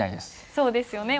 そうですよね